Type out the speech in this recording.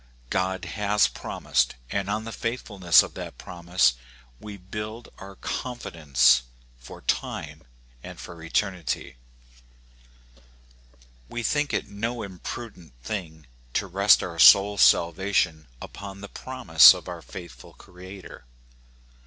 God has promised, and on the faithful ness of that promise we build our confidence for 46 According to the Promise. time and for eternity. We think it no imprudent thing to rest our souFs salvation upon the prom ise of our faithful Creator.